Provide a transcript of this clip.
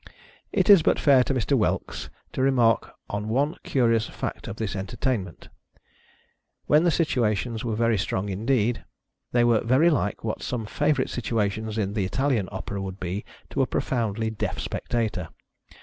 It is but fair to Mr. Whelks to remark on one curious fact in this entertainment. When the situations were very THE AMUSEMENTS OF THE PEOPLE. 1711 strong indeed, they were very like what some favorite situ ations in the Italian Opera would be to a profoundly deaf spectator.